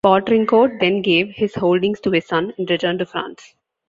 Poutrincourt then gave his holdings to his son and returned to France.